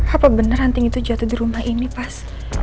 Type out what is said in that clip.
apa bener anting itu jatuh di rumah ini pas